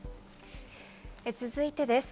続いてです。